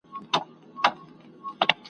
ورځ دي په اوښکو شپه دي ناښاده ,